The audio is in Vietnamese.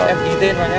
em ghi tên vào nhé